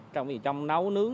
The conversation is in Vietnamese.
trong việc nấu nướng